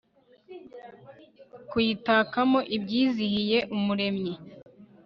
kuyitakamo ibyizihiye umuremyi